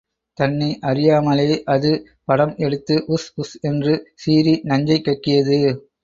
தன்னை அறியாமலே அது படம் எடுத்து, உஸ், உஸ் என்று சீறி நஞ்சைக் கக்கியது.